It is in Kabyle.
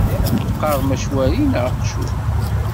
Teqqarem acwari neɣ aqecwal?